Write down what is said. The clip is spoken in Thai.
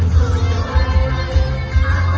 สวัสดีครับ